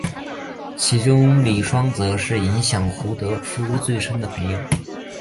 其中李双泽是影响胡德夫最深的朋友。